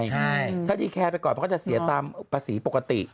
ใช่ถ้าดีแคร์ไปก่อนมันก็จะเสียตามภาษีปกติ